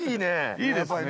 いいですね。